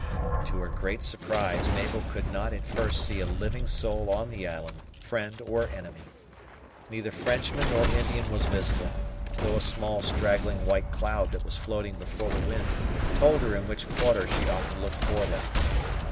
To her great surprise, Mabel could not at first see a living soul on the island, friend or enemy. Neither Frenchman nor Indian was visible, though a small straggling white cloud that was floating before the wind told her in which quarter she ought to look for them.